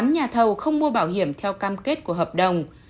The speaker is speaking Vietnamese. tám nhà thầu không mua bảo hiểm theo cam kết của hợp đồng